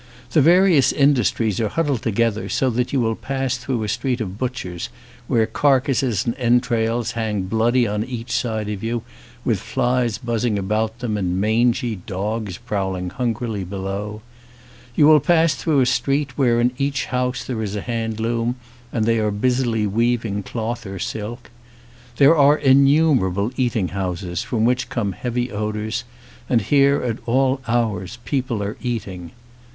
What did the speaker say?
The various industries are hud dled together so that you will pass through a street of butchers where carcasses and entrails hang bloody on each side of you, with flies buzzing about them and mangy dogs prowling hungrily be low ; you will pass through a street where in each house there is a hand loom and they are busily weaving cloth or silk. There are innumerable eat ing houses from which come heavy odours and here at all hours people are eating.